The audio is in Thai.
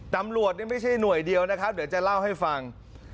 ตำรวจนี่ไม่ใช่หน่วยเดียวนะครับเดี๋ยวจะเล่าให้ฟัง